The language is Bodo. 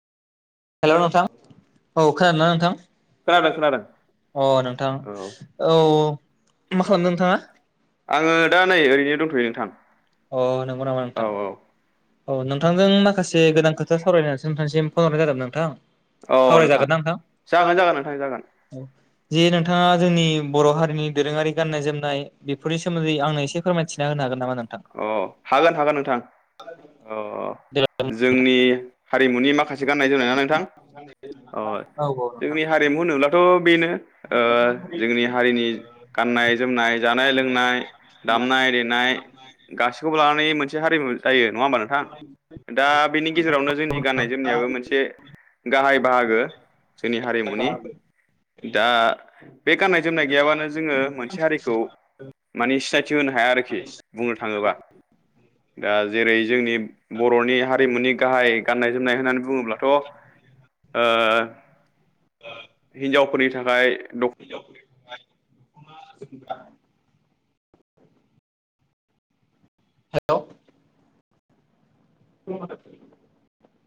हेलौ नोंथां औ खोनादोंना खोनादों खोनादों नोंथां अ नोंथां औ औ मा खालामदों नोंथाङा आङो दा नै ओरैनो दंथयो नोंथां अ नंगौ न औ नोंथां नोंथांजों माखासेदान खोथा सावरायनानैसो नोंथांसिम फन हरनाय ज जादों नोंथां औ अ नोंथां सावरायजागोनना जागोन जागोन जागोन नोंथां औ जे नोंथाङा जोंनि बर' हारिनि दोरोंङारि गाननाय जोमनाय बेफोरनि सोमोन्दै आंनो एसे फोरमायथिना हो हागोनामा नोंथां अ हागोन हागोन नोंथां अ जोंनि हारिमुनि माखासे गाननाय जोमनाय ना नोंथां अ औ औ जोंनि नोंथां हारिमु होनोब्लाथ बेनो जोंनि हारिनि गाननाय जोमनाय जानाय लोंनाय दामनाय देनाय गाससिखौबो लानानै मोनसे हारिमु जायो नंङा होमबा नोंथां दा बेनि गेजेरावनो जोंनि गाननाय जोमनायाबो मोनसे गाहाय बाहागो जोंनि हारिमुनि दा बे गाननाय जोमनाय गैयाबानो जोंङो मोनसे हारिखौ मानिे सिनायथि होनो हाया आरोखि बुंनो थांङोबा दा जेरै जोंनि बरनि हारिमुनि गाहाय गान्नाय जोमनाय होननानै बुङोब्लाथ' ओ [inaudible] फोरनि थाखाय द [unintelligible] हेलौ [unintelligible]